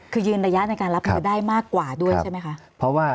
คือยืนระยะในการรับมือได้มากกว่าด้วยใช่ไหมคะ